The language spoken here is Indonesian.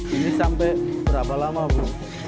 ini sampai berapa lama bu